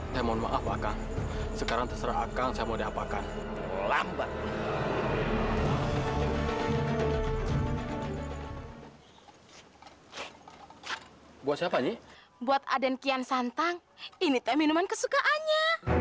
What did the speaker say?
sampai jumpa di video selanjutnya